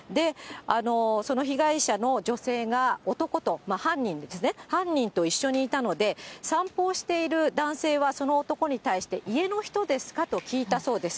その被害者の女性が男と、犯人ですね、犯人と一緒にいたので、散歩をしている男性は、その男に対して家の人ですかと聞いたそうです。